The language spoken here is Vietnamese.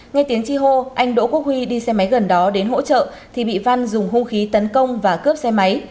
nghe tiếng chi hô anh đỗ quốc huy đi xe máy gần đó đến hỗ trợ thì bị văn dùng hô khí tấn công và cướp xe máy